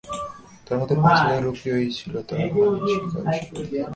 এর মধ্যে পাঁচ হাজার রুপি ওই শ্লীলতাহানির শিকার ওই শিশুকে দিতে হবে।